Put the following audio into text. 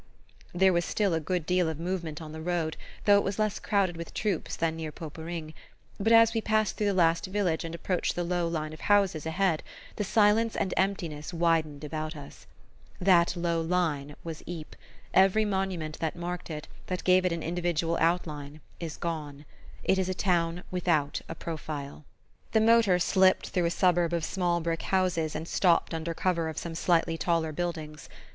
There was still a good deal of movement on the road, though it was less crowded with troops than near Poperinghe; but as we passed through the last village and approached the low line of houses ahead, the silence and emptiness widened about us. That low line was Ypres; every monument that marked it, that gave it an individual outline, is gone. It is a town without a profile. The motor slipped through a suburb of small brick houses and stopped under cover of some slightly taller buildings.